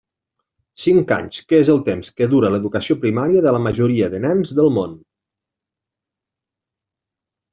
Cinc anys, que és el temps que dura l'educació primària de la majoria de nens del món.